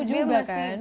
dia tahu juga kan